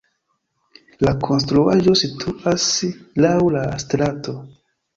La konstruaĵo situas laŭ la strato.